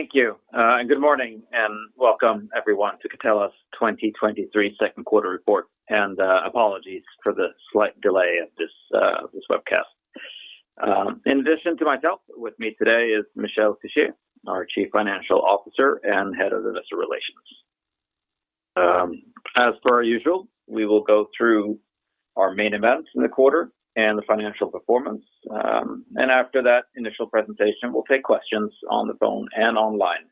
Thank you, good morning, and welcome everyone to Catella's 2023 second quarter report, apologies for the slight delay of this webcast. In addition to myself, with me today is Michel Fischier, our Chief Financial Officer and Head of Investor Relations. As per our usual, we will go through our main events in the quarter and the financial performance. After that initial presentation, we'll take questions on the phone and online,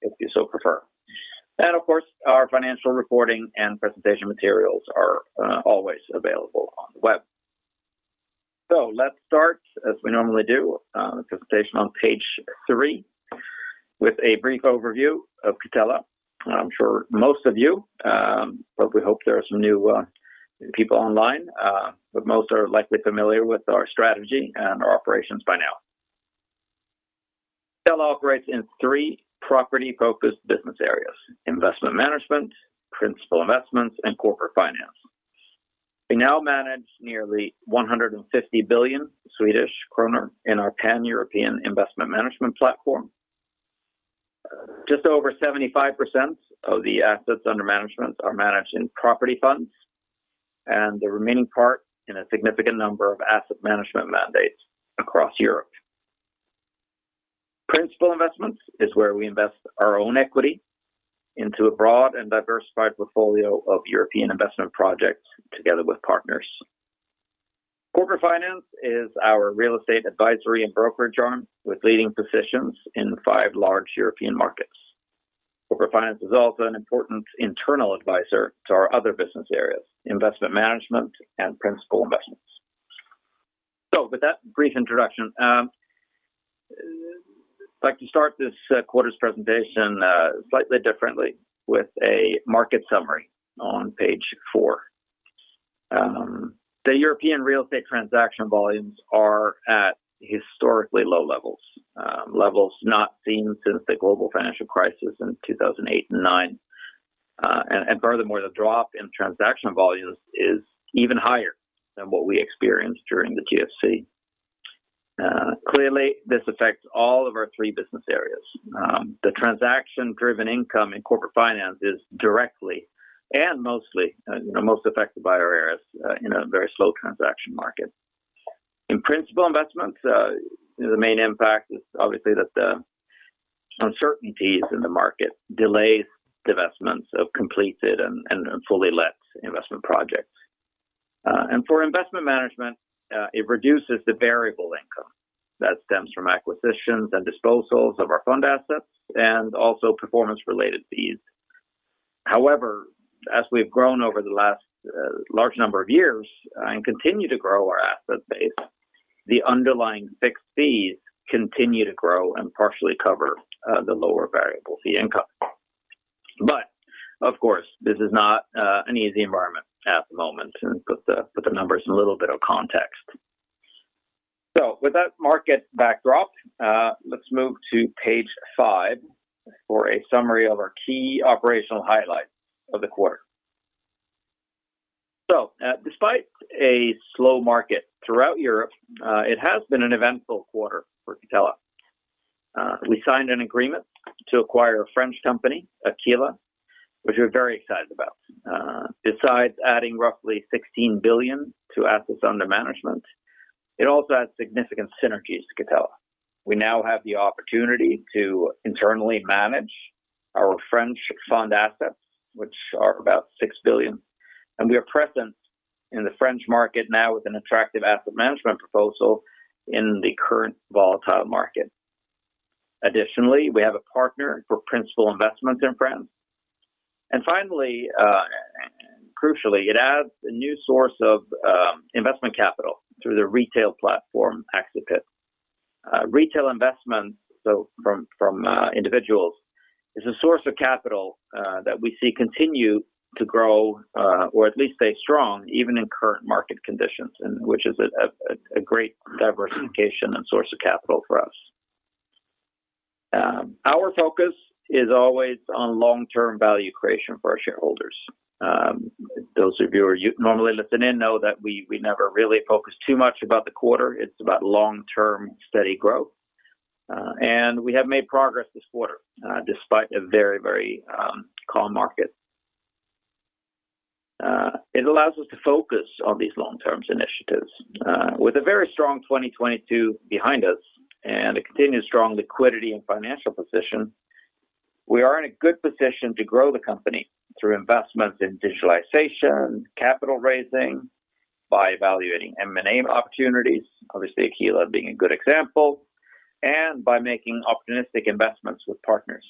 if you so prefer. Of course, our financial reporting and presentation materials are always available on the web. Let's start, as we normally do, the presentation on page three, with a brief overview of Catella. I'm sure most of you, but we hope there are some new people online, but most are likely familiar with our strategy and our operations by now. Catella operates in three property-focused business areas: investment management, principal investments, and corporate finance. We now manage nearly 150 billion Swedish kronor in our Pan-European investment management platform. Just over 75% of the assets under management are managed in property funds, and the remaining part in a significant number of asset management mandates across Europe. Principal investments is where we invest our own equity into a broad and diversified portfolio of European investment projects together with partners. Corporate finance is our real estate advisory and brokerage arm, with leading positions in five large European markets. Corporate finance is also an important internal advisor to our other business areas, investment management and principal investments. With that brief introduction, I'd like to start this quarter's presentation slightly differently with a market summary on page four. The European real estate transaction volumes are at historically low levels, levels not seen since the global financial crisis in 2008 and 2009. Furthermore, the drop in transaction volumes is even higher than what we experienced during the GFC. Clearly, this affects all of our three business areas. The transaction-driven income in corporate finance is directly and mostly, you know, most affected by our errors in a very slow transaction market. In principal investments, the main impact is obviously that the uncertainties in the market delays divestments of completed and, and fully let investment projects. For investment management, it reduces the variable income that stems from acquisitions and disposals of our fund assets and also performance-related fees. However, as we've grown over the last large number of years, and continue to grow our asset base, the underlying fixed fees continue to grow and partially cover the lower variable fee income. Of course, this is not an easy environment at the moment, and put the numbers in a little bit of context. With that market backdrop, let's move to page five for a summary of our key operational highlights of the quarter. Despite a slow market throughout Europe, it has been an eventful quarter for Catella. We signed an agreement to acquire a French company, Aquila, which we're very excited about. Besides adding roughly 16 billion to assets under management, it also adds significant synergies to Catella. We now have the opportunity to internally manage our French fund assets, which are about 6 billion, we are present in the French market now with an attractive asset management proposal in the current volatile market. Additionally, we have a partner for principal investments in France. Finally, crucially, it adds a new source of investment capital through the retail platform, Axipit. Retail investments, so from, from individuals, is a source of capital that we see continue to grow or at least stay strong, even in current market conditions, and which is a great diversification and source of capital for us. Our focus is always on long-term value creation for our shareholders. Those of you who you normally listen in know that we, we never really focus too much about the quarter. It's about long-term, steady growth. We have made progress this quarter, despite a very, very calm market. It allows us to focus on these long-term initiatives. With a very strong 2022 behind us and a continued strong liquidity and financial position, we are in a good position to grow the company through investments in digitalization, capital raising, by evaluating M&A opportunities, obviously, Aquila being a good example, and by making opportunistic investments with partners,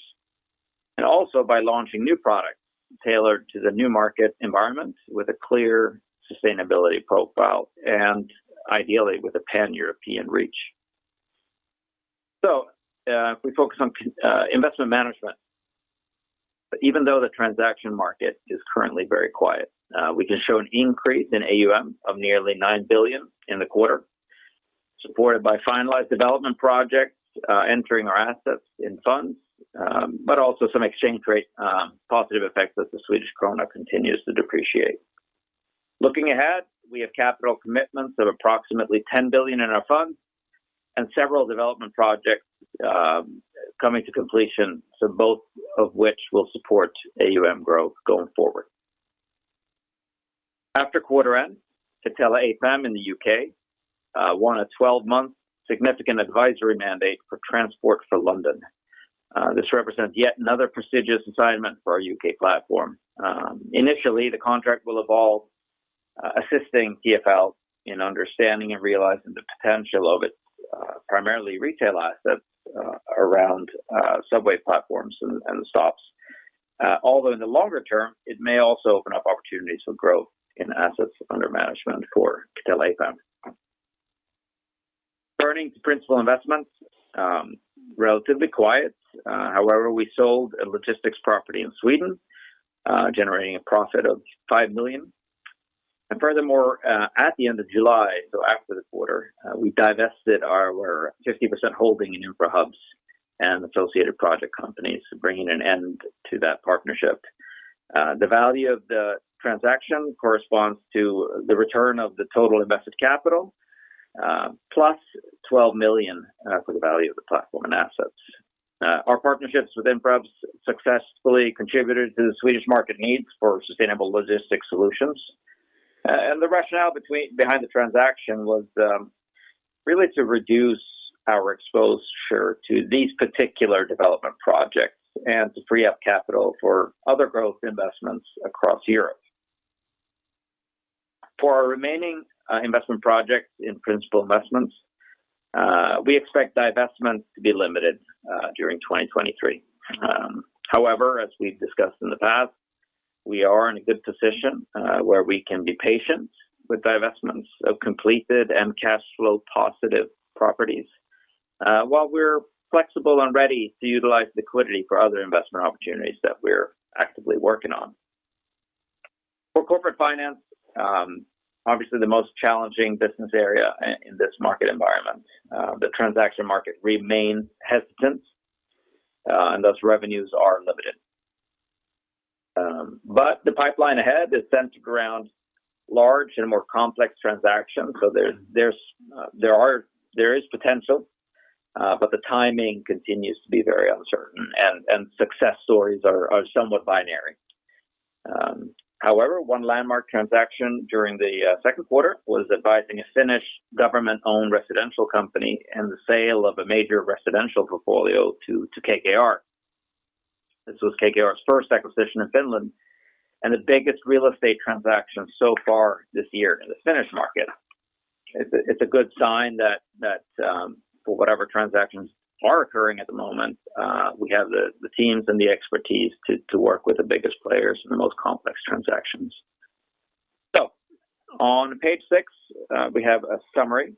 and also by launching new products tailored to the new market environment with a clear sustainability profile and ideally with a pan-European reach. If we focus on investment management, even though the transaction market is currently very quiet, we can show an increase in AUM of nearly 9 billion in the quarter, supported by finalized development projects entering our assets in funds, but also some exchange rate positive effects as the Swedish krona continues to depreciate. Looking ahead, we have capital commitments of approximately 10 billion in our funds and several development projects coming to completion, both of which will support AUM growth going forward. After quarter end, Catella APAM in the U.K., won a 12-month significant advisory mandate for Transport for London. This represents yet another prestigious assignment for our U.K. platform. Initially, the contract will involve assisting TfL in understanding and realizing the potential of its primarily retail assets around subway platforms and stops. Although in the longer term, it may also open up opportunities for growth in assets under management for Catella APAM. Turning to principal investments, relatively quiet. However, we sold a logistics property in Sweden, generating a profit of 5 million. Furthermore, at the end of July, so after the quarter, we divested our 50% holding in Infrahubs and associated project companies, bringing an end to that partnership. The value of the transaction corresponds to the return of the total invested capital, +12 million for the value of the platform and assets. Our partnerships with Infrahubs successfully contributed to the Swedish market needs for sustainable logistics solutions. The rationale behind the transaction was really to reduce our exposure to these particular development projects and to free up capital for other growth investments across Europe. For our remaining investment projects in principal investments, we expect divestments to be limited during 2023. However, as we've discussed in the past, we are in a good position, where we can be patient with divestments of completed and cash flow-positive properties, while we're flexible and ready to utilize liquidity for other investment opportunities that we're actively working on. For corporate finance, obviously the most challenging business area in this market environment. The transaction market remains hesitant, and thus revenues are limited. The pipeline ahead is centered around large and more complex transactions. There's, there's, there is potential, but the timing continues to be very uncertain, and, and success stories are, are somewhat binary. However, one landmark transaction during the second quarter was advising a Finnish government-owned residential company in the sale of a major residential portfolio to, to KKR. This was KKR's first acquisition in Finland and the biggest real estate transaction so far this year in the Finnish market. It's a, it's a good sign that, that, for whatever transactions are occurring at the moment, we have the, the teams and the expertise to, to work with the biggest players in the most complex transactions. On page six, we have a summary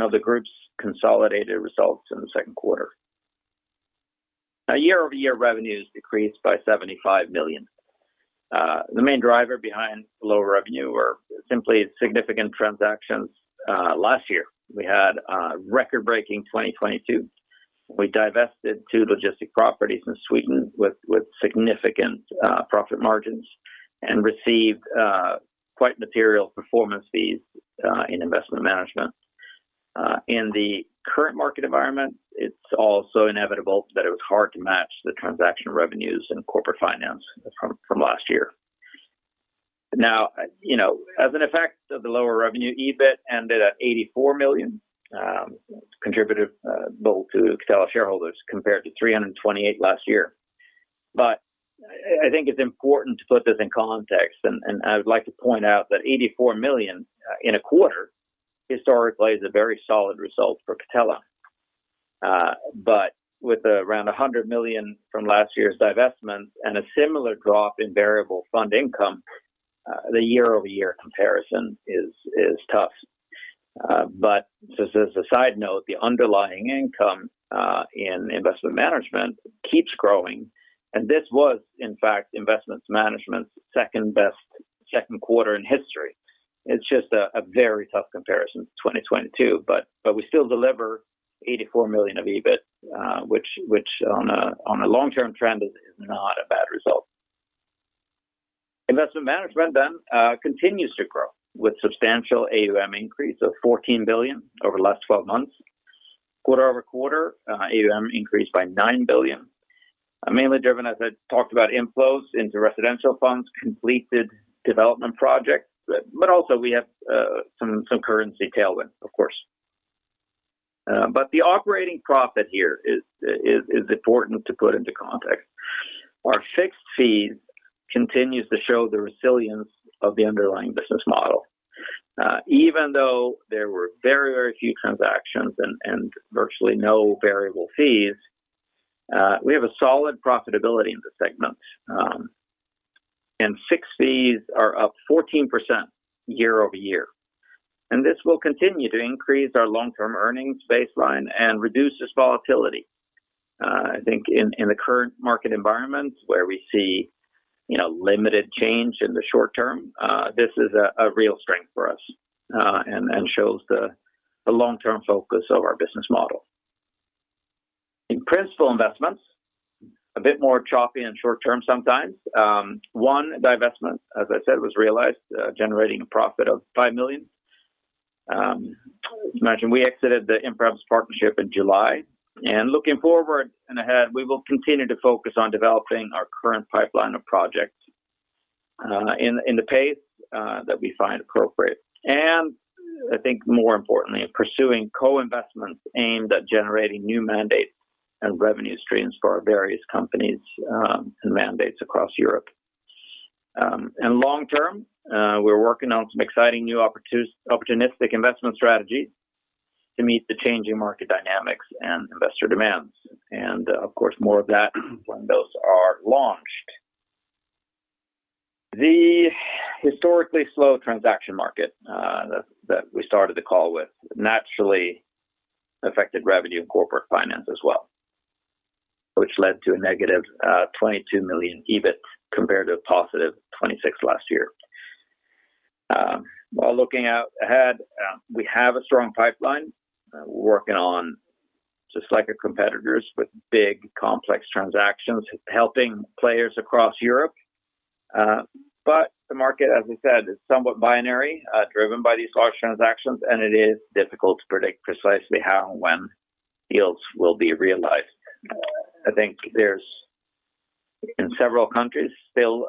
of the group's consolidated results in the second quarter. Year-over-year revenues decreased by 75 million. The main driver behind lower revenue were simply significant transactions. Last year, we had a record-breaking 2022. We divested two logistic properties in Sweden with significant profit margins and received quite material performance fees in investment management. In the current market environment, it's also inevitable that it was hard to match the transaction revenues in corporate finance from last year. You know, as an effect of the lower revenue, EBIT ended at 84 million contributive both to Catella shareholders, compared to 328 last year. I think it's important to put this in context, and I would like to point out that 84 million in a quarter historically is a very solid result for Catella. With around 100 million from last year's divestments and a similar drop in variable fund income, the year-over-year comparison is tough. Just as a side note, the underlying income in Investment management keeps growing, and this was in fact, Investment management's second-best second quarter in history. It's just a very tough comparison to 2022, but we still deliver 84 million of EBIT, which on a long-term trend is not a bad result. Investment management continues to grow with substantial AUM increase of 14 billion over the last 12 months. Quarter-over-quarter, AUM increased by 9 billion, mainly driven, as I talked about, inflows into residential funds, completed development projects, but also we have some currency tailwind, of course. The operating profit here is important to put into context. Our fixed fees continues to show the resilience of the underlying business model. Even though there were very, very few transactions and, and virtually no variable fees, we have a solid profitability in the segment. Fixed fees are up 14% year-over-year, and this will continue to increase our long-term earnings baseline and reduces volatility. I think in, in the current market environment, where we see, you know, limited change in the short term, this is a, a real strength for us, and, and shows the, the long-term focus of our business model. In principal investments, a bit more choppy and short term sometimes. One divestment, as I said, was realized, generating a profit of 5 million. As mentioned, we exited the Infrahubs partnership in July, looking forward and ahead, we will continue to focus on developing our current pipeline of projects, in, in the pace that we find appropriate. I think more importantly, pursuing co-investments aimed at generating new mandates and revenue streams for our various companies, and mandates across Europe. Long term, we're working on some exciting new opportunistic investment strategies to meet the changing market dynamics and investor demands, and of course, more of that when those are launched. The historically slow transaction market that we started the call with, naturally affected revenue and corporate finance as well, which led to a negative 22 million EBIT compared to a positive 26 million last year. While looking out ahead, we have a strong pipeline, we're working on, just like our competitors, with big complex transactions, helping players across Europe. But the market, as I said, is somewhat binary, driven by these large transactions, and it is difficult to predict precisely how and when yields will be realized. I think there's, in several countries, still,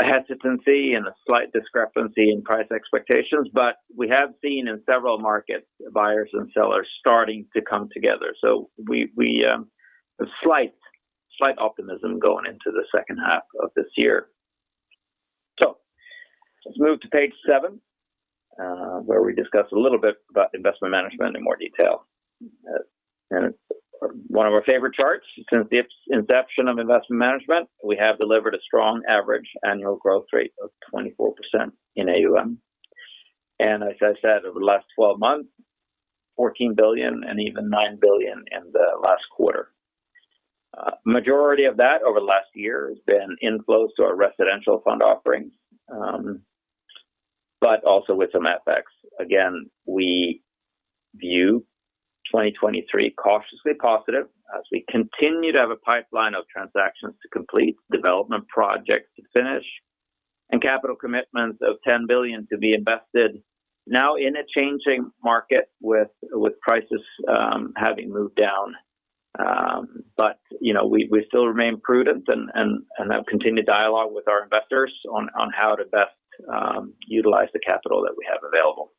a hesitancy and a slight discrepancy in price expectations, but we have seen in several markets, buyers and sellers starting to come together. We, we, a slight, slight optimism going into the second half of this year. Let's move to page seven, where we discuss a little bit about investment management in more detail. And one of our favorite charts, since the inception of investment management, we have delivered a strong average annual growth rate of 24% in AUM. As I said, over the last 12 months, 14 billion and even 9 billion in the last quarter. Majority of that over the last year has been inflows to our residential fund offerings, but also with some FX. We view 2023 cautiously positive as we continue to have a pipeline of transactions to complete, development projects to finish, and capital commitments of 10 billion to be invested now in a changing market with, with prices, having moved down. You know, we, we still remain prudent and, and, and have continued dialogue with our investors on, on how to best utilize the capital that we have available.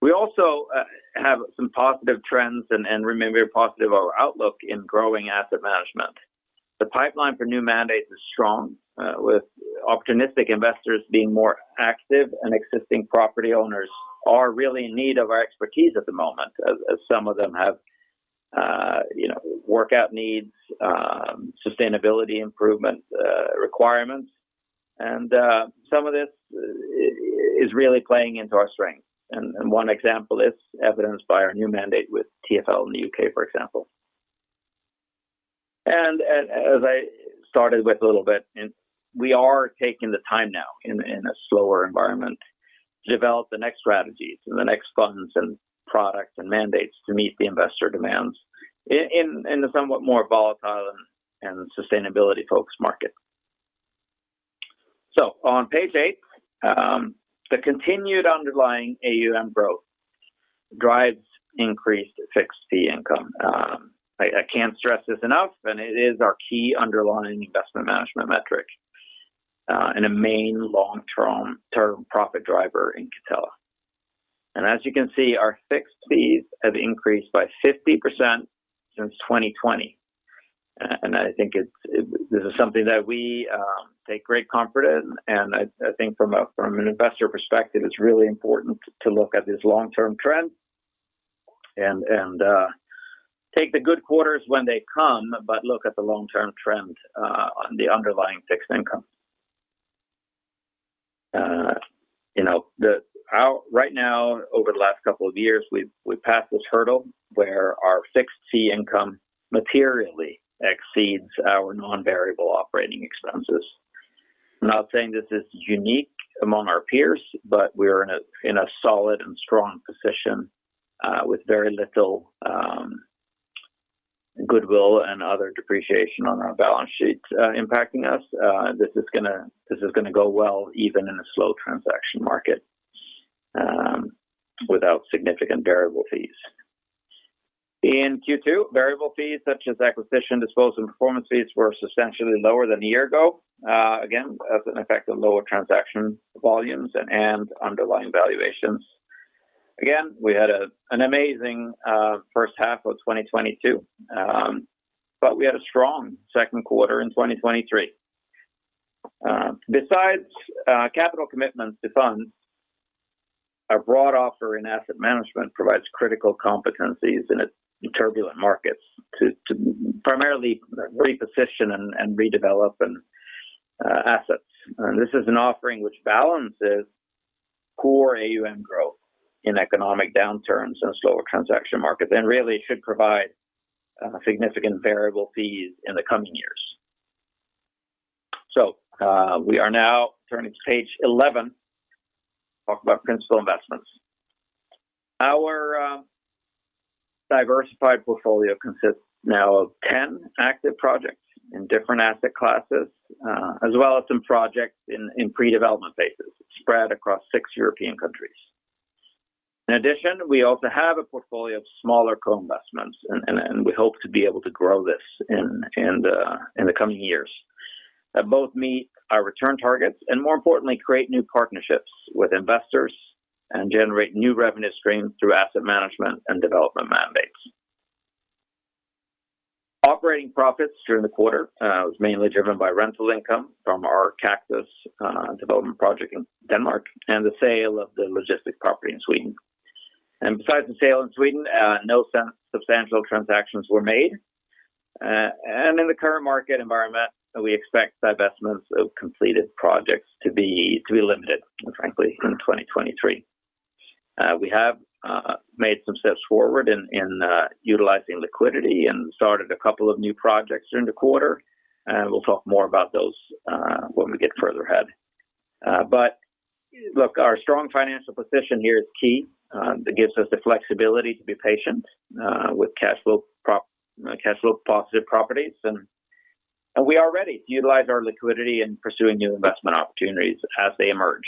We also, have some positive trends and, and remain very positive our outlook in growing asset management. The pipeline for new mandates is strong, with opportunistic investors being more active, and existing property owners are really in need of our expertise at the moment, as some of them have, you know, workout needs, sustainability improvement, requirements. Some of this is really playing into our strength. One example is evidenced by our new mandate with TfL in the U.K., for example. As I started with a little bit, and we are taking the time now in, in a slower environment to develop the next strategies and the next funds and products and mandates to meet the investor demands in, in a somewhat more volatile and sustainability-focused market. On page eight, the continued underlying AUM growth drives increased fixed fee income. I can't stress this enough, and it is our key underlying investment management metric, and a main long-term profit driver in Catella. As you can see, our fixed fees have increased by 50% since 2020. I think this is something that we take great comfort in, and I, I think from a, from an investor perspective, it's really important to look at this long-term trend and, and take the good quarters when they come, but look at the long-term trend on the underlying fixed income. You know, right now, over the last couple of years, we've, we've passed this hurdle where our fixed fee income materially exceeds our non-variable operating expenses. I'm not saying this is unique among our peers, but we're in a, in a solid and strong position with very little goodwill and other depreciation on our balance sheet impacting us. This is gonna, this is gonna go well even in a slow transaction market without significant variable fees. In Q2, variable fees such as acquisition, disposal, and performance fees were substantially lower than a year ago, again, as an effect of lower transaction volumes and underlying valuations. Again, we had a, an amazing first half of 2022, but we had a strong second quarter in 2023. Besides capital commitments to funds, our broad offer in asset management provides critical competencies in a turbulent markets to, to primarily reposition and, and redevelop assets. This is an offering which balances core AUM growth in economic downturns and slower transaction markets, and really should provide significant variable fees in the coming years. We are now turning to page 11, talk about principal investments. Our diversified portfolio consists now of 10 active projects in different asset classes, as well as some projects in pre-development phases spread across six European countries. In addition, we also have a portfolio of smaller co-investments, and, and, and we hope to be able to grow this in the coming years, that both meet our return targets and more importantly, create new partnerships with investors and generate new revenue streams through asset management and development mandates. Operating profits during the quarter was mainly driven by rental income from our Kaktus development project in Denmark and the sale of the logistics property in Sweden. Besides the sale in Sweden, no substantial transactions were made. In the current market environment, we expect divestments of completed projects to be limited, frankly, in 2023. We have made some steps forward in utilizing liquidity and started a couple of new projects during the quarter, and we'll talk more about those when we get further ahead. But look, our strong financial position here is key, that gives us the flexibility to be patient with cash flow positive properties. And we are ready to utilize our liquidity in pursuing new investment opportunities as they emerge.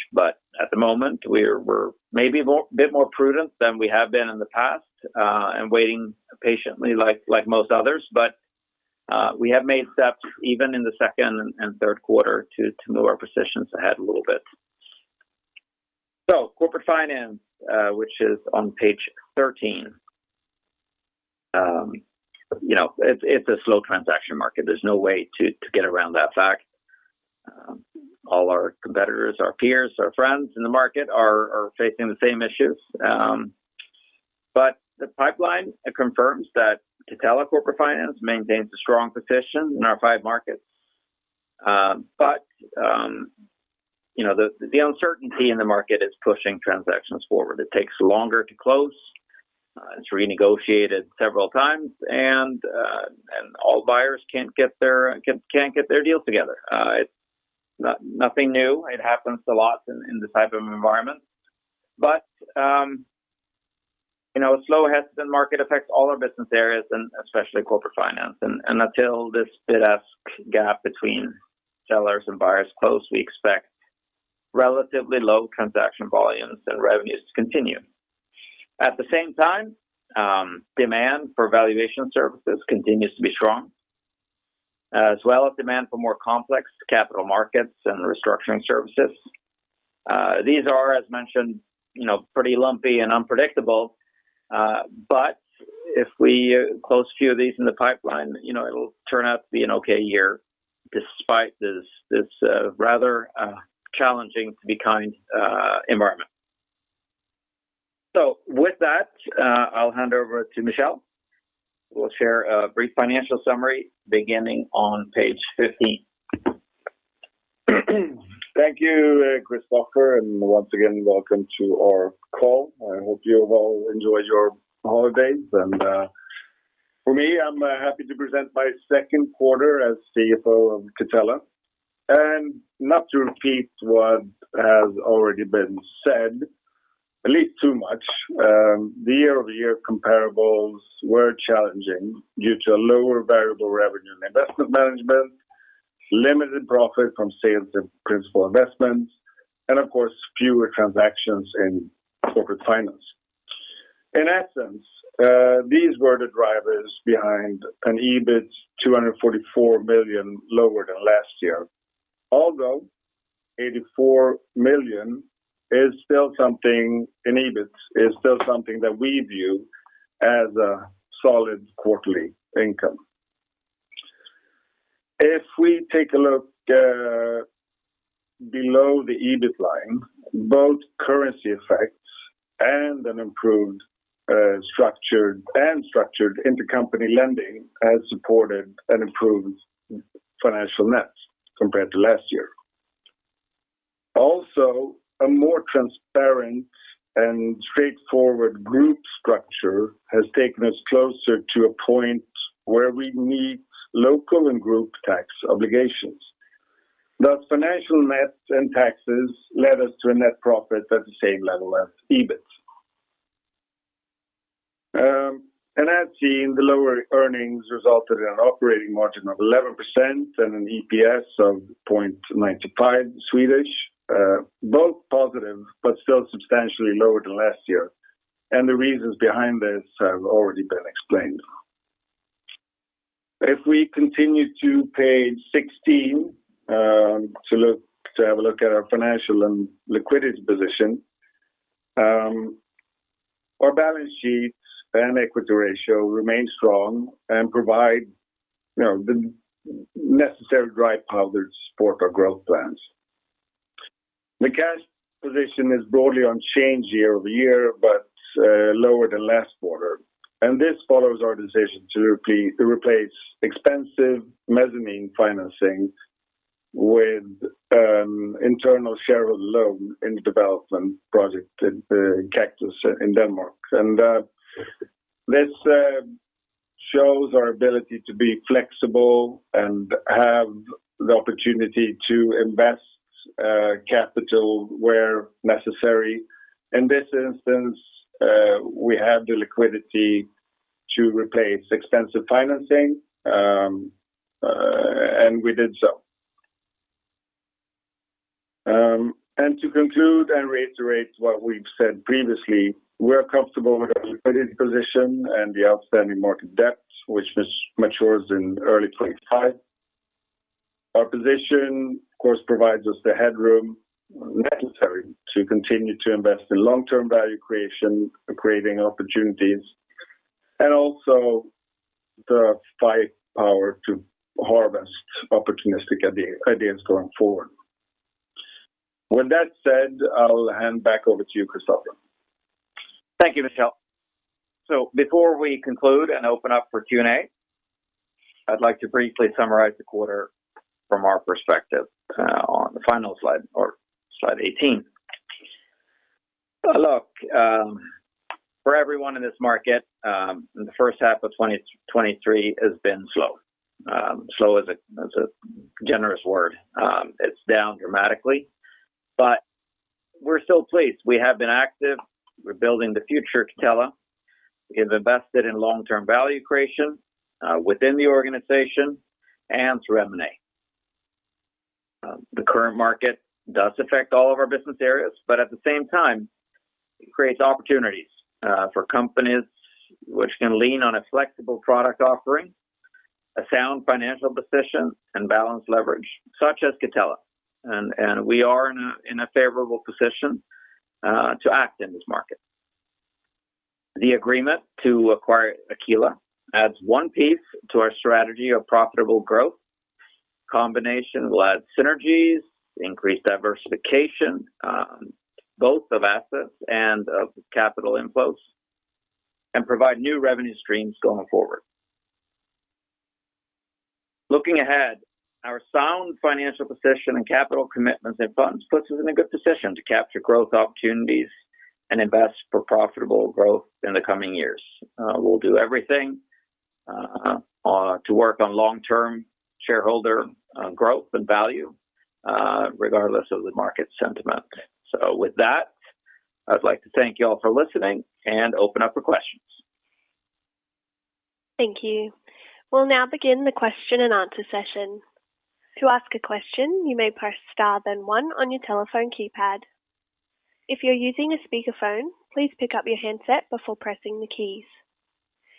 At the moment, we're, we're maybe more a bit more prudent than we have been in the past, and waiting patiently like, like most others. We have made steps even in the second and third quarter to, to move our positions ahead a little bit. Corporate Finance, which is on page 13. You know, it's, it's a slow transaction market. There's no way to, to get around that fact. All our competitors, our peers, our friends in the market are, are facing the same issues. The pipeline, it confirms that Catella Corporate Finance maintains a strong position in our five markets. But, you know, the, the uncertainty in the market is pushing transactions forward. It takes longer to close, it's renegotiated several times, and, and all buyers can't get their can't, can't get their deal together. It's not nothing new. It happens a lot in, in this type of environment. You know, a slow, hesitant market affects all our business areas and especially corporate finance. Until this bid-ask gap between sellers and buyers close, we expect relatively low transaction volumes and revenues to continue. At the same time, demand for valuation services continues to be strong, as well as demand for more complex capital markets and restructuring services. These are, as mentioned, you know, pretty lumpy and unpredictable, but if we close a few of these in the pipeline, you know, it'll turn out to be an okay year despite this, this, rather, challenging, to be kind, environment. With that, I'll hand over to Michel, who will share a brief financial summary beginning on page 15. Thank you, Christoffer, and once again, welcome to our call. I hope you have all enjoyed your holidays. For me, I'm happy to present my second quarter as CFO of Catella. Not to repeat what has already been said a little too much, the year-over-year comparables were challenging due to a lower variable revenue in investment management, limited profit from sales and principal investments, and of course, fewer transactions in corporate finance. In essence, these were the drivers behind an EBIT 244 million lower than last year. Although 84 million is still something, in EBIT, is still something that we view as a solid quarterly income. If we take a look below the EBIT line, both currency effects and an improved structured and structured intercompany lending has supported an improved financial net compared to last year. Also, a more transparent and straightforward group structure has taken us closer to a point where we meet local and group tax obligations. Thus, financial nets and taxes led us to a net profit at the same level as EBIT. As seen, the lower earnings resulted in an operating margin of 11% and an EPS of 0.95. Both positive, still substantially lower than last year, the reasons behind this have already been explained. If we continue to page 16, to have a look at our financial and liquidity position, our balance sheets and equity ratio remain strong and provide, you know, the necessary dry powder to support our growth plans. The cash position is broadly unchanged year-over-year, but lower than last quarter, and this follows our decision to replace expensive mezzanine financing with internal shareholder loan in the development project in Kaktus in Denmark. This shows our ability to be flexible and have the opportunity to invest capital where necessary. In this instance, we have the liquidity to replace expensive financing, and we did so. To conclude and reiterate what we've said previously, we're comfortable with our liquidity position and the outstanding market debt, which matures in early 2025. Our position, of course, provides us the headroom necessary to continue to invest in long-term value creation, creating opportunities, and also the firepower to harvest opportunistic ideas going forward. With that said, I'll hand back over to you, Christoffer. Thank you, Michel. Before we conclude and open up for Q&A, I'd like to briefly summarize the quarter from our perspective, on the final slide or slide 18. Look, for everyone in this market, the first half of 2023 has been slow. Slow is a generous word. It's down dramatically, but we're still pleased. We have been active. We're building the future of Catella. We have invested in long-term value creation, within the organization and through M&A. The current market does affect all of our business areas, but at the same time, it creates opportunities, for companies which can lean on a flexible product offering, a sound financial position, and balanced leverage, such as Catella. And we are in a favorable position to act in this market. The agreement to acquire Aquila adds one piece to our strategy of profitable growth. Combination will add synergies, increase diversification, both of assets and of capital inflows, and provide new revenue streams going forward. Looking ahead, our sound financial position and capital commitments and funds puts us in a good position to capture growth opportunities and invest for profitable growth in the coming years. We'll do everything to work on long-term shareholder growth and value regardless of the market sentiment. With that, I'd like to thank you all for listening and open up for questions. Thank you. We'll now begin the question and answer session. To ask a question, you may press star, then one on your telephone keypad. If you're using a speakerphone, please pick up your handset before pressing the keys.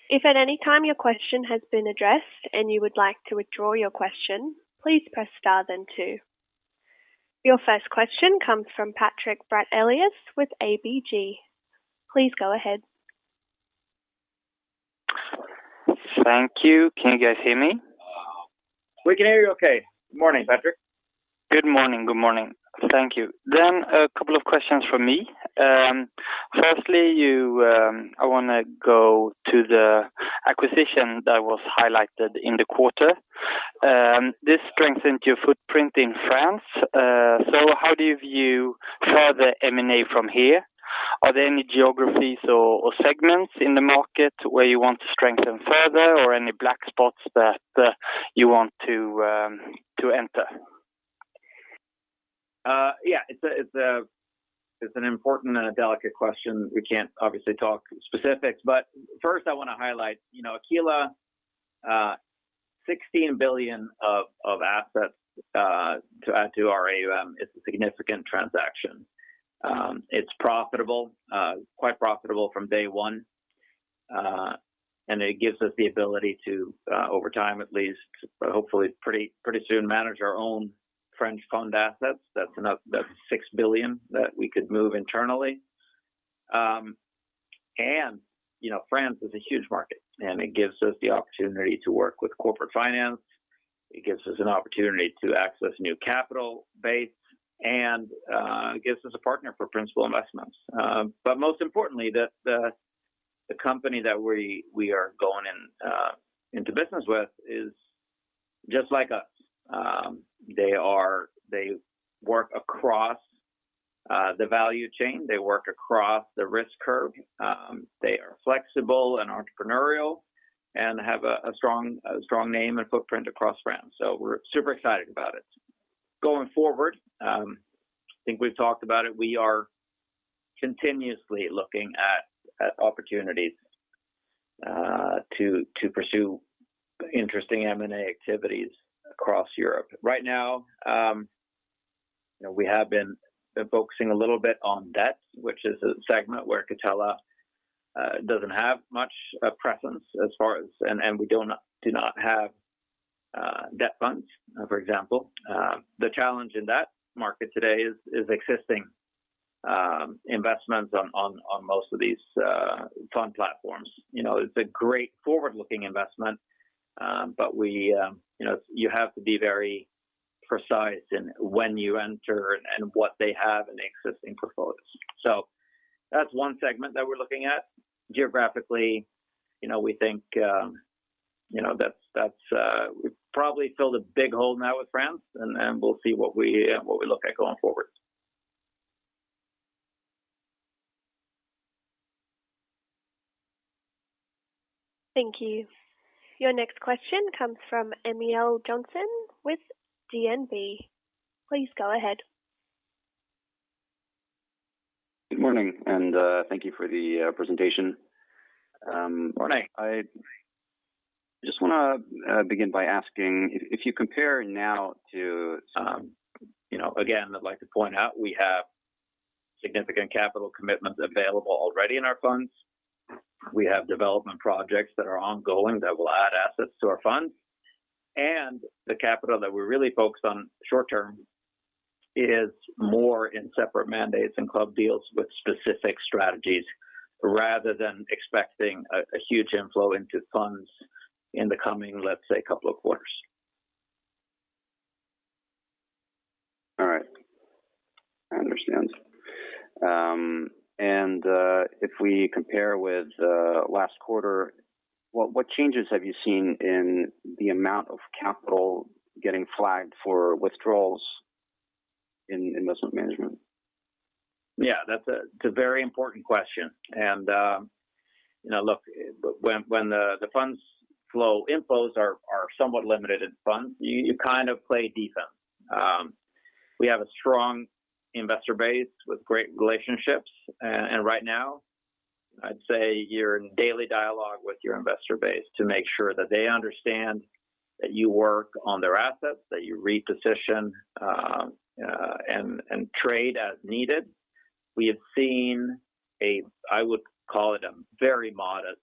If at any time your question has been addressed and you would like to withdraw your question, please press star then two. Your first question comes from Patrik Brattelius with ABG. Please go ahead. Thank you. Can you guys hear me? We can hear you okay. Morning, Patrik. Good morning. Good morning. Thank you. A couple of questions from me. firstly, you, I wanna go to the acquisition that was highlighted in the quarter. This strengthened your footprint in France. How do you view further M&A from here? Are there any geographies or, or segments in the market where you want to strengthen further, or any black spots that you want to to enter? Yeah, it's an important and a delicate question. We can't obviously talk specifics. First I wanna highlight, you know, Aquila, 16 billion of assets to add to our AUM is a significant transaction. It's profitable, quite profitable from day one. It gives us the ability to, over time, at least, hopefully pretty, pretty soon, manage our own French fund assets. That's 6 billion that we could move internally. You know, France is a huge market. It gives us the opportunity to work with corporate finance. It gives us an opportunity to access new capital base. It gives us a partner for principal investments. Most importantly, the company that we are going into business with is just like us. They are-- they work across the value chain. They work across the risk curve. They are flexible and entrepreneurial and have a strong name and footprint across France, so we're super excited about it. Going forward, I think we've talked about it, we are continuously looking at opportunities to pursue interesting M&A activities across Europe. Right now, you know, we have been focusing a little bit on debt, which is a segment where Catella doesn't have much presence as far as... We do not, do not have debt funds, for example. The challenge in that market today is existing investments on most of these fund platforms. You know, it's a great forward-looking investment, but we, you know, you have to be very precise in when you enter and what they have in the existing portfolios. That's one segment that we're looking at. Geographically, you know, we think, you know, that's, that's, we've probably filled a big hole now with France, and then we'll see what we, what we look at going forward. Thank you. Your next question comes from Emil Jonsson with DNB. Please go ahead. Good morning, thank you for the presentation. Morning. I just want to begin by asking if, if you compare now to. You know, again, I'd like to point out we have significant capital commitments available already in our funds. We have development projects that are ongoing that will add assets to our funds. The capital that we're really focused on short term is more in separate mandates and club deals with specific strategies, rather than expecting a huge inflow into funds in the coming, let's say, couple of quarters. All right. I understand. If we compare with last quarter, what, what changes have you seen in the amount of capital getting flagged for withdrawals in investment management? Yeah, that's a, it's a very important question. You know, look, when, when the, the funds flow, inflows are, are somewhat limited in funds, you, you kind of play defense. We have a strong investor base with great relationships, and right now, I'd say you're in daily dialogue with your investor base to make sure that they understand that you work on their assets, that you reposition, and trade as needed. We have seen a, I would call it a very modest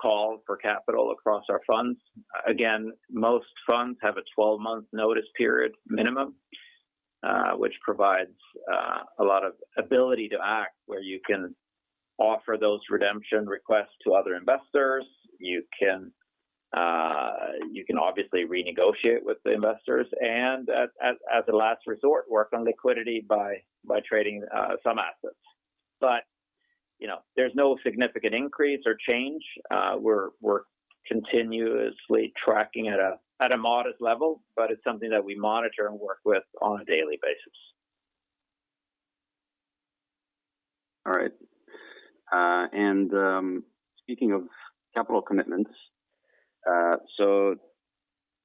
call for capital across our funds. Again, most funds have a 12-month notice period minimum, which provides a lot of ability to act where you can offer those redemption requests to other investors. You can, you can obviously renegotiate with the investors and as, as, as a last resort, work on liquidity by, by trading, some assets. You know, there's no significant increase or change. We're, we're continuously tracking at a, at a modest level, but it's something that we monitor and work with on a daily basis. All right. Speaking of capital commitments,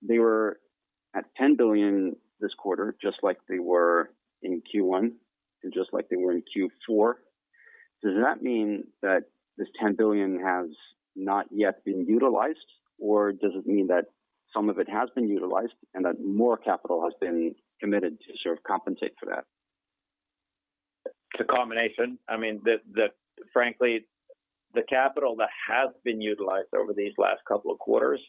they were at 10 billion this quarter, just like they were in Q1 and just like they were in Q4. Does that mean that this 10 billion has not yet been utilized, or does it mean that some of it has been utilized and that more capital has been committed to sort of compensate for that? It's a combination. I mean, frankly, the capital that has been utilized over these last couple of quarters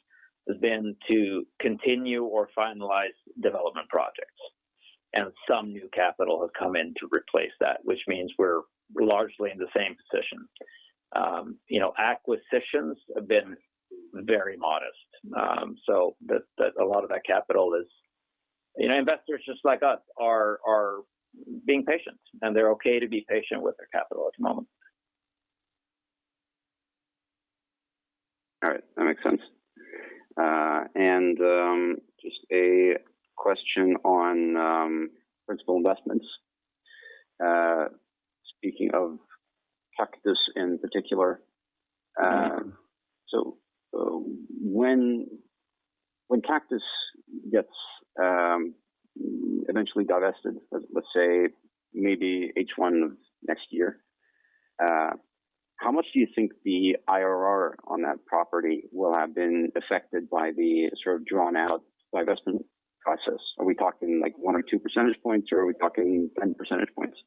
has been to continue or finalize development projects. Some new capital has come in to replace that, which means we're largely in the same position. You know, acquisitions have been very modest, so that a lot of that capital is. You know, investors just like us are, are being patient, and they're okay to be patient with their capital at the moment. All right, that makes sense. Just a question on principal investments, speaking of Kaktus in particular. When Kaktus gets, eventually divested, let's say maybe H1 of next year, how much do you think the IRR on that property will have been affected by the sort of drawn-out divestment process? Are we talking, like, 1 or 2 percentage points, or are we talking 10 percentage points?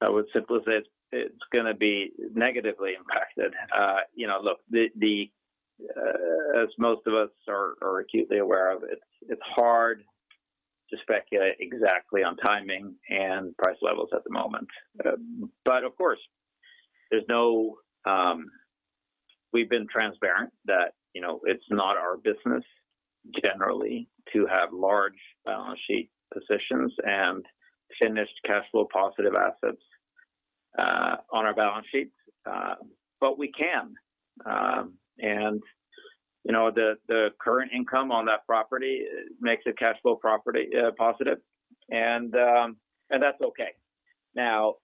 I would simply say it's going to be negatively impacted. you know, look, as most of us are, are acutely aware of, it's, it's hard to speculate exactly on timing and price levels at the moment. Of course, there's no. We've been transparent that, you know, it's not our business generally to have large balance sheet positions and finished cash flow positive assets on our balance sheets. We can, and, you know, the current income on that property makes it cash flow property positive, and that's okay. Now,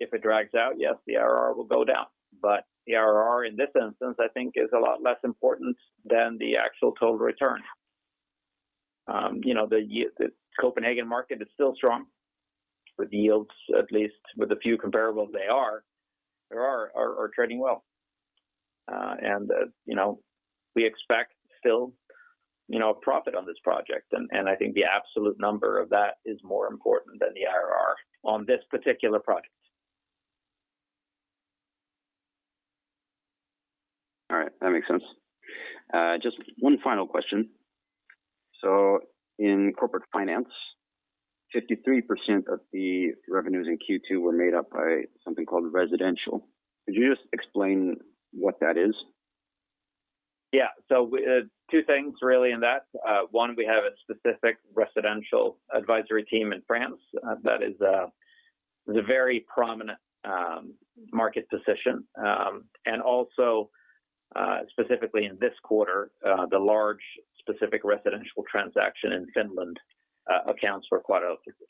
if it drags out, yes, the IRR will go down, but the IRR in this instance, I think is a lot less important than the actual total return. You know, the Copenhagen market is still strong, with yields, at least with a few comparables they are, they are, are, are trading well. You know, we expect still, you know, a profit on this project, and, and I think the absolute number of that is more important than the IRR on this particular project. All right, that makes sense. just 1 final question. In corporate finance, 53% of the revenues in Q2 were made up by something called residential. Could you just explain what that is? Yeah. Two things really in that. One, we have a specific residential advisory team in France, that is, is a very prominent market position. Also specifically in this quarter, the large specific residential transaction in Finland, accounts for quite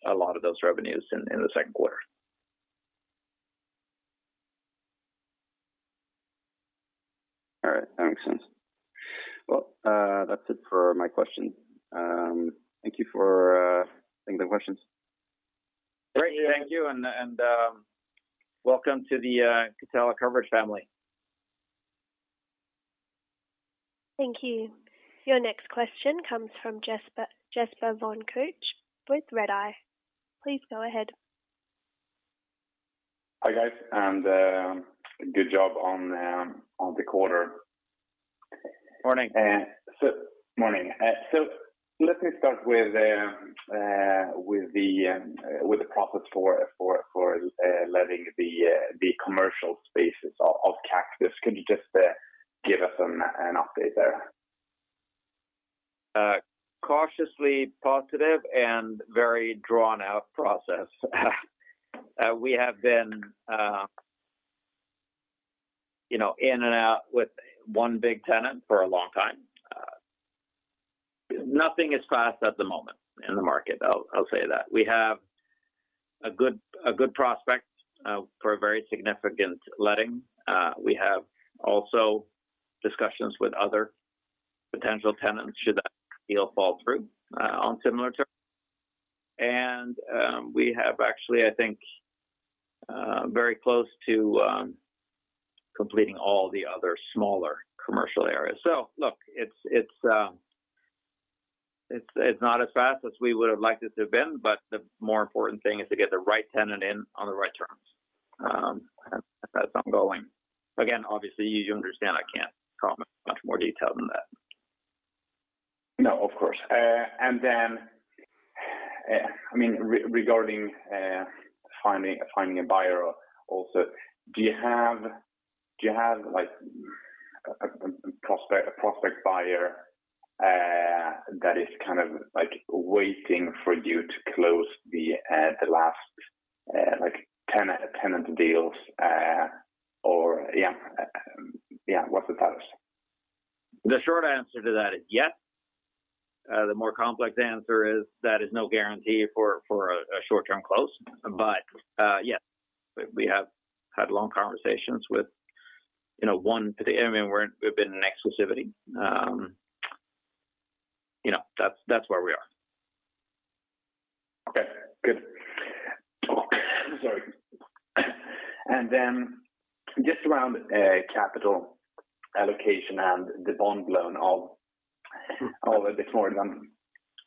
a lot of those revenues in the second quarter. All right. That makes sense. Well, that's it for my questions. Thank you for taking the questions. Great. Thank you, and, and, welcome to the Catella coverage family. Thank you. Your next question comes from Jesper, Jesper von Koch with Redeye. Please go ahead. Hi, guys, and good job on the quarter. Morning. Morning. Let me start with the profits for letting the commercial spaces of Kaktus. Could you just give us an update there? Cautiously positive and very drawn-out process. We have been, you know, in and out with one big tenant for a long time. Nothing is fast at the moment in the market, I'll, I'll say that. We have a good, a good prospect for a very significant letting. We have also discussions with other potential tenants should that deal fall through on similar terms. We have actually, I think, very close to completing all the other smaller commercial areas. Look, it's, it's, it's, it's not as fast as we would have liked it to have been, but the more important thing is to get the right tenant in on the right terms. That's ongoing. Again, obviously, as you understand, I can't comment in much more detail than that. No, of course. I mean, regarding finding a buyer also, do you have, like, a prospect buyer, that is kind of like waiting for you to close the last, like, tenant deals? Yeah, what's the status? The short answer to that is yes. The more complex answer is that is no guarantee for, for a, a short-term close. Yes, we, we have had long conversations with, you know, I mean, we're, we've been in exclusivity. You know, that's, that's where we are. Okay, good. I'm sorry. Just around capital allocation and the bond loan of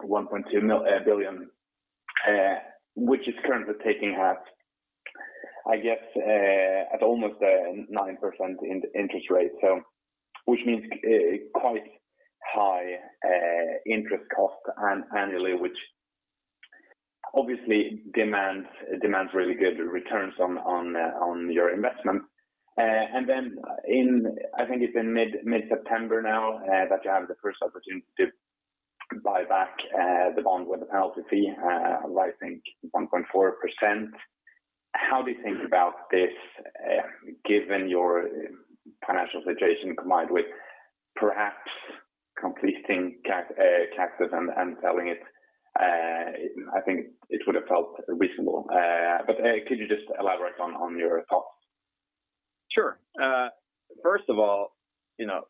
1.2 billion, which is currently taking half, I guess, at almost 9% interest rate, so which means quite high interest cost annually, which obviously demands really good returns on your investment. In, I think it's in mid-September now, that you have the first opportunity to buy back the bond with a penalty fee of, I think, 1.4%. How do you think about this, given your financial situation, combined with perhaps completing Kaktus and selling it? I think it would have felt reasonable. Could you just elaborate on your thoughts? Sure. First of all, you know,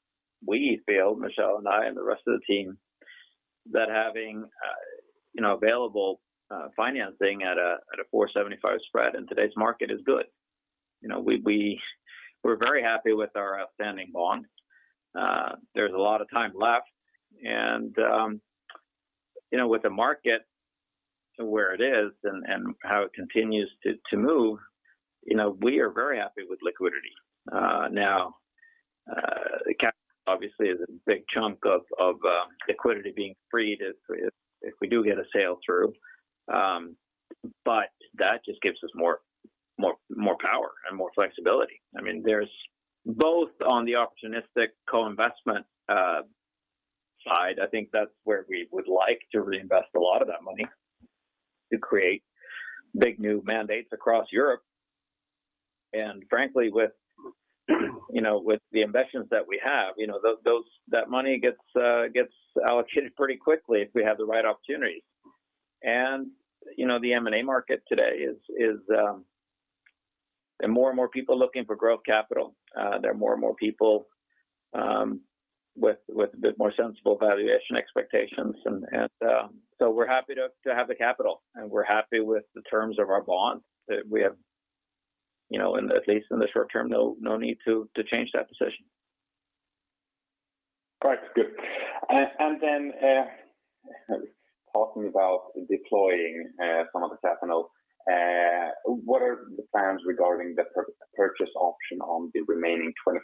we feel, Michel and I and the rest of the team, that having, you know, available, financing at a, at a 4.75 spread in today's market is good. You know, we, we're very happy with our outstanding bond. There's a lot of time left and, you know, with the market where it is and, and how it continues to, to move, you know, we are very happy with liquidity. Now, the capital obviously is a big chunk of, of, liquidity being freed if, if, if we do get a sale through. That just gives us more power and more flexibility. I mean, there's both on the opportunistic co-investment side, I think that's where we would like to reinvest a lot of that money, to create big new mandates across Europe. Frankly, with, you know, with the investments that we have, you know, those, those, that money gets allocated pretty quickly if we have the right opportunity. You know, the M&A market today is, is. There are more and more people looking for growth capital. There are more and more people with, with a bit more sensible valuation expectations. So we're happy to, to have the capital, and we're happy with the terms of our bond. That we have, you know, in at least in the short term, no, no need to, to change that position. All right. Good. And then, talking about deploying some of the capital, what are the plans regarding the purchase option on the remaining 25%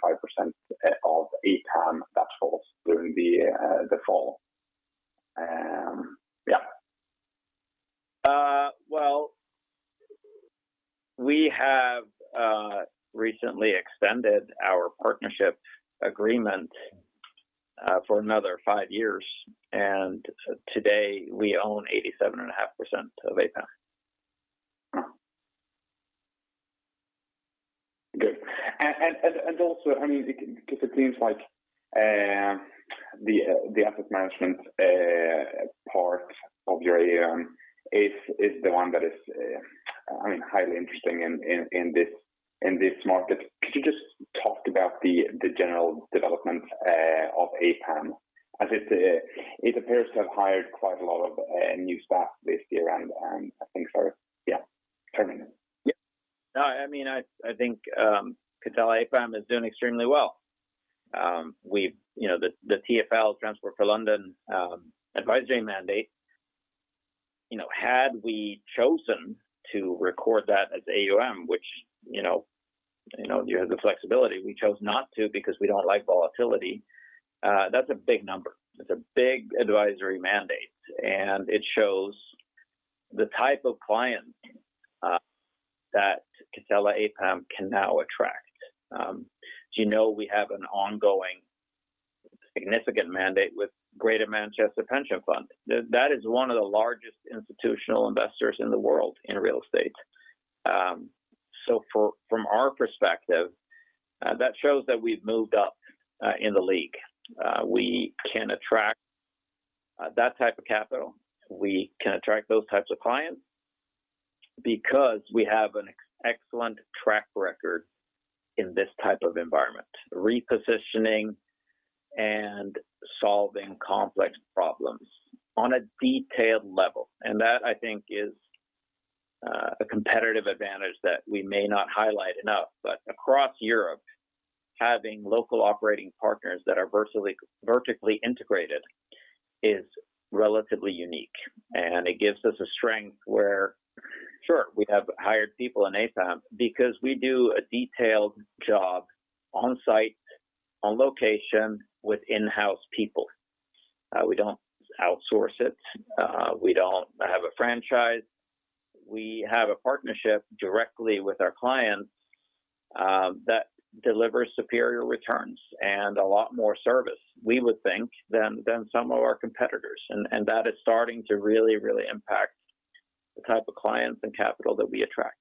of APAM that falls during the fall? Well, we have recently extended our partnership agreement, for another five years, and today we own 87.5% of APAM. Good. Also, I mean, because it seems like, the asset management part of your AUM is the one that is, I mean, highly interesting in this market. Could you just talk about the general development of APAM? As it appears to have hired quite a lot of new staff this year around, I think so. Yeah, turning it. Yeah. No, I mean, I, I think Catella APAM is doing extremely well. We've, you know, the TfL, Transport for London, advisory mandate, you know, had we chosen to record that as AUM, which, you know, you know, you have the flexibility, we chose not to because we don't like volatility. That's a big number. It's a big advisory mandate, and it shows the type of client that Catella APAM can now attract. Do you know we have an ongoing significant mandate with Greater Manchester Pension Fund? That is one of the largest institutional investors in the world in real estate. So from our perspective, that shows that we've moved up in the league. We can attract that type of capital. We can attract those types of clients because we have an excellent track record in this type of environment, repositioning and solving complex problems on a detailed level. That, I think, is a competitive advantage that we may not highlight enough. Across Europe, having local operating partners that are vertically integrated is relatively unique, and it gives us a strength where, sure, we have hired people in APAM because we do a detailed job on site, on location, with in-house people. We don't outsource it. We don't have a franchise. We have a partnership directly with our clients that delivers superior returns and a lot more service, we would think, than, than some of our competitors. And that is starting to really, really impact the type of clients and capital that we attract.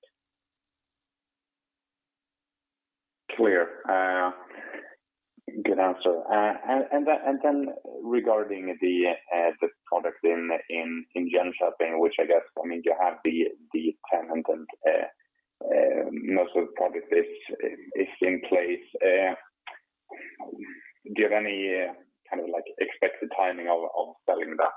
Clear. Good answer. Regarding the product in Jönköping, which I guess, I mean, you have the tenant and most of the product is in place. Do you have any kind of, like, expected timing of selling that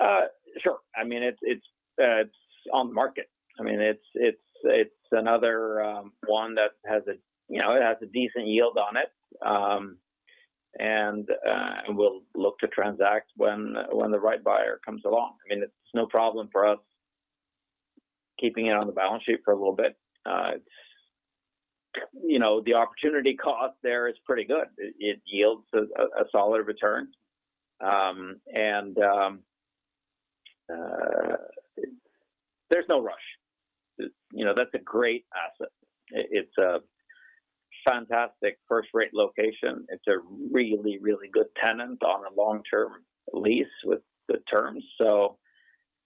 project? Sure. I mean, it's, it's, it's on the market. I mean, it's, it's, it's another one that has a, you know, it has a decent yield on it. We'll look to transact when the right buyer comes along. I mean, it's no problem for us keeping it on the balance sheet for a little bit. You know, the opportunity cost there is pretty good. It, it yields a solid return. There's no rush. You know, that's a great asset. It, it's a fantastic first-rate location. It's a really, really good tenant on a long-term lease with good terms.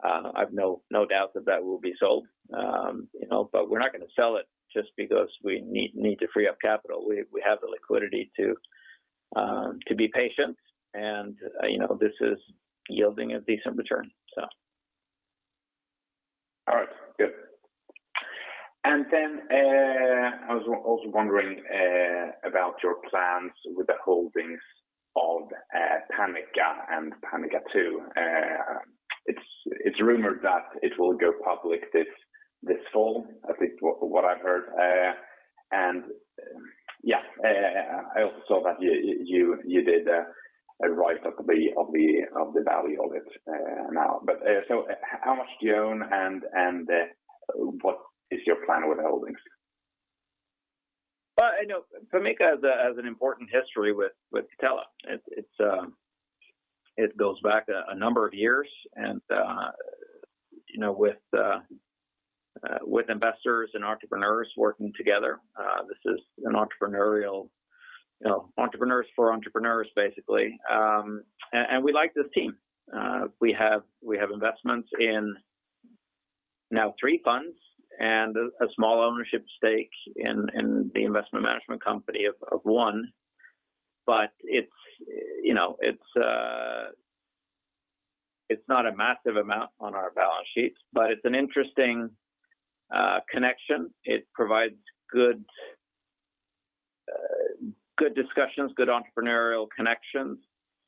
I've no, no doubt that that will be sold. You know, but we're not gonna sell it just because we need, need to free up capital. We, we have the liquidity to be patient, and, you know, this is yielding a decent return, so. All right, good. Then, I was also wondering about your plans with the holdings of Pamica and Pamica II. It's, it's rumored that it will go public this, this fall, at least what I've heard. Yeah, I also saw that you, you, you did a, a write of the, of the, of the value of it, now. How much do you own, and, and, what is your plan with the holdings? Well, I know Pamica has an important history with Catella. It's, it goes back a number of years, you know, with investors and entrepreneurs working together. This is an entrepreneurial, you know, entrepreneurs for entrepreneurs, basically. We like this team. We have investments in now three funds and a small ownership stake in the investment management company of one. It's, you know, it's not a massive amount on our balance sheets, but it's an interesting connection. It provides good discussions, good entrepreneurial connections,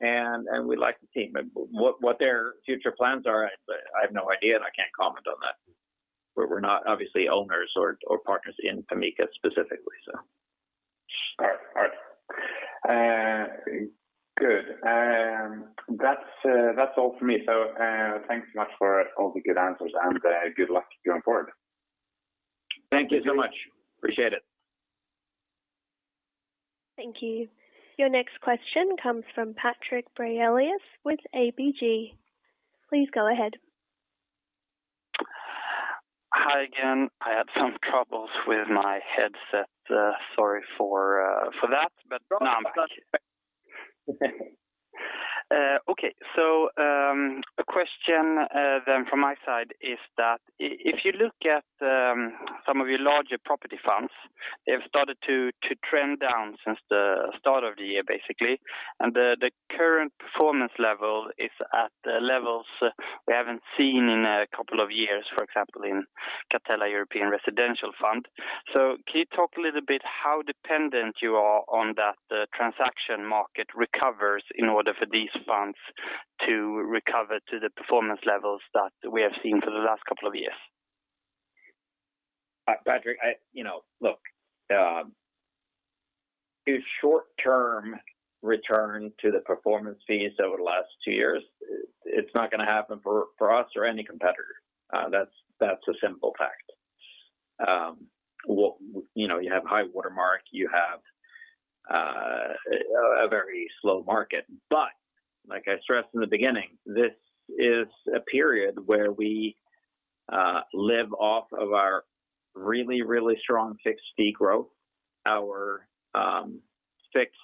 and we like the team. What their future plans are, I have no idea, and I can't comment on that. We're not obviously owners or partners in Pamica specifically, so. All right. All right. Good. That's, that's all for me. Thanks so much for all the good answers, good luck going forward. Thank you so much. Appreciate it. Thank you. Your next question comes from Patrik Brattelius with ABG. Please go ahead. Hi again. I had some troubles with my headset. Sorry for, for that, but now I'm back. Okay. A question then from my side is that if you look at some of your larger property funds, they've started to trend down since the start of the year, basically, and the current performance level is at the levels we haven't seen in a couple of years, for example, in Catella European Residential Fund. Can you talk a little bit how dependent you are on that transaction market recovers in order for these funds to recover to the performance levels that we have seen for the last couple of years? Patrik, I. You know, look, a short-term return to the performance fees over the last two years, it's not gonna happen for, for us or any competitor. That's, that's a simple fact. Well, you know, you have High watermark, you have a very slow market. Like I stressed in the beginning, this is a period where we live off of our really, really strong fixed fee growth, our fixed,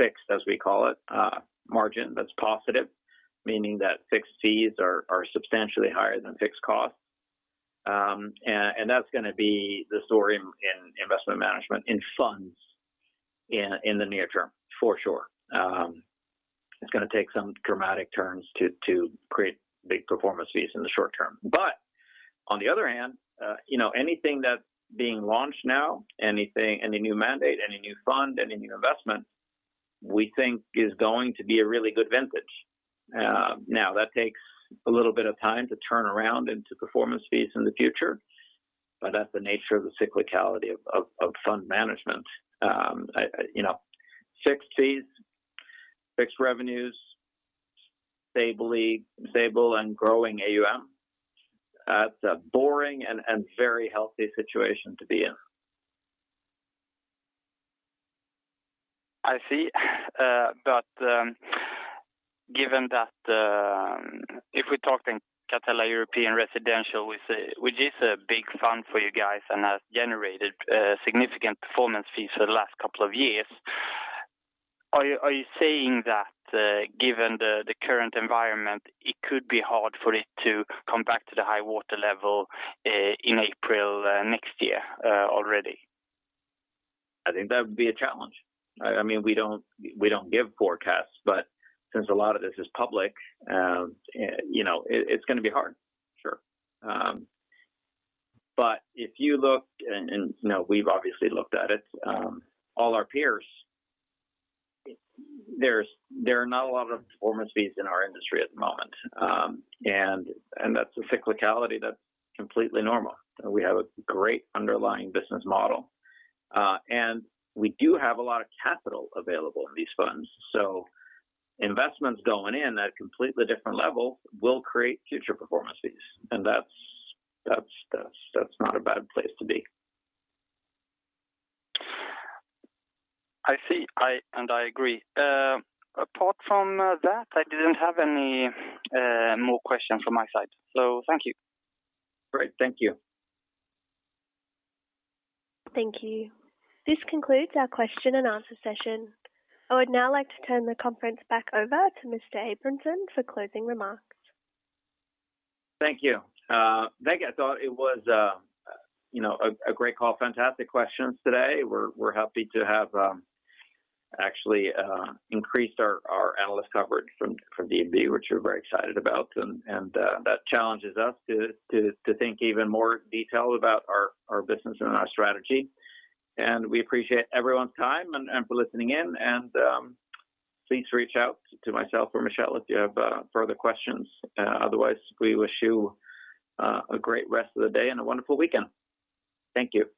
fixed, as we call it, margin, that's positive, meaning that fixed fees are, are substantially higher than fixed costs. And that's gonna be the story in, in investment management, in funds in, in the near term, for sure. It's gonna take some dramatic turns to, to create big performance fees in the short term. On the other hand, you know, anything that's being launched now, anything, any new mandate, any new fund, any new investment, we think is going to be a really good vintage. Now, that takes a little bit of time to turn around into performance fees in the future, but that's the nature of the cyclicality of fund management. You know, fixed fees, fixed revenues, stably stable and growing AUM. That's a boring and very healthy situation to be in. I see. Given that, if we talk in Catella European Residential, which is, which is a big fund for you guys and has generated significant performance fees for the last couple of years, are you, are you saying that, given the, the current environment, it could be hard for it to come back to the high watermark, in April, next year, already? I think that would be a challenge. I mean, we don't, we don't give forecasts, but since a lot of this is public, you know, it's gonna be hard, sure. If you look, and, you know, we've obviously looked at it, all our peers, there are not a lot of performance fees in our industry at the moment. That's a cyclicality that's completely normal. We have a great underlying business model, and we do have a lot of capital available in these funds, so investments going in at a completely different level will create future performance fees, and that's, that's, that's, that's not a bad place to be. I see. I agree. Apart from that, I didn't have any more questions from my side. Thank you. Great. Thank you. Thank you. This concludes our question and answer session. I would now like to turn the conference back over to Mr. Abramson for closing remarks. Thank you. Thank you. I thought it was, you know, a great call. Fantastic questions today. We're, we're happy to have, actually, increased our analyst coverage from DNB, which we're very excited about, and, and, that challenges us to, to, to think even more detail about our, our business and our strategy. We appreciate everyone's time and, and for listening in, and, please reach out to myself or Michel if you have further questions. Otherwise, we wish you a great rest of the day and a wonderful weekend. Thank you.